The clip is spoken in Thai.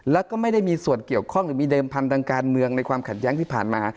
แล้วก็ไม่ได้มีส่วนเกี่ยวข้องหรือมีเดิมพันธุ์ทางการเมืองในความขัดแย้งที่ผ่านมา